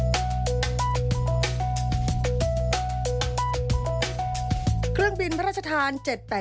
มีความโดดเด่นที่เทคโนโลยีการบินแห่งชาติอย่างเป็นทางการ